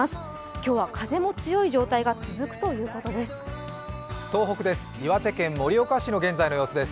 今日は風も強い状態が続くということです。